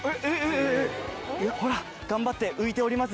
ほら頑張って浮いております